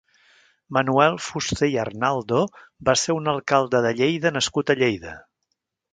Manuel Fuster i Arnaldo va ser un alcalde de Lleida nascut a Lleida.